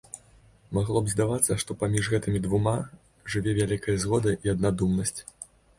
Магло б здавацца, што паміж гэтымі двума жыве вялікая згода і аднадумнасць.